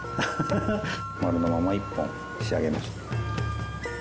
丸のまま一本仕上げました。